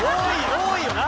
多いよな。